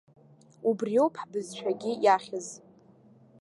Убриоуп ҳбызшәагьы иахьыз!